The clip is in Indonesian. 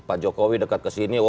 pak jokowi dekat ke sini